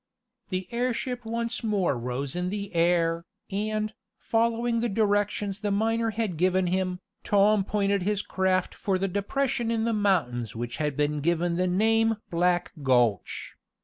The airship once more rose in the air, and, following the directions the miner had given him, Tom pointed his craft for the depression in the mountains which had been given the name Black Gulch.